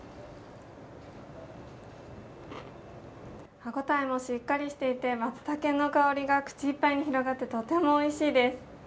歯応えもしっかりしていて、まつたけの香りが口いっぱいに広がって、とてもおいしいです。